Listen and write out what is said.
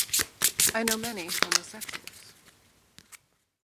I know many homosexuals.